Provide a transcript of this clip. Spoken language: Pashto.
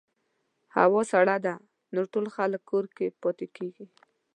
هوا سړه ده، نو ټول خلک کور کې پاتې کېږي.